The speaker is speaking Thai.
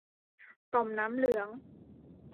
ต่อมน้ำเหลือง